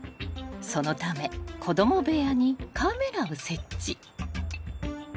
［そのため子供部屋にカメラを設置］